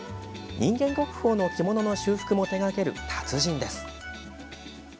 人間国宝の着物の修復も手がける達人です。